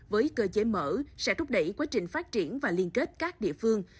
với cơ chế mở sẽ thúc đẩy quá trình phát triển và liên kết các địa phương